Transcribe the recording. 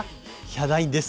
ヒャダインです。